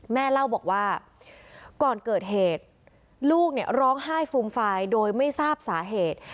แม่เล่าบอกว่าก่อนเกิดเหตุลูกเนี่ยร้องไห้ฟูมฟายโดยไม่ทราบสาเหตุ